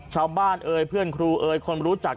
ชาวบ้านเฟื่อนครูคนรู้จัก